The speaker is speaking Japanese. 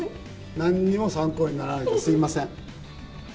なんにも参考にならなくて、すみません。